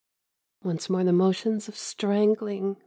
Once more the motions of strangling